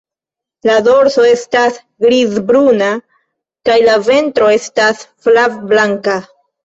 La dorso estas griz-bruna, kaj la ventro estas flav-blanka.